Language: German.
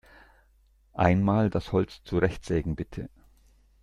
Einmal das Holz zurechtsägen, bitte!